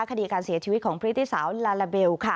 คดีการเสียชีวิตของพระอิทธิสาวลาลาเบลล์ค่ะ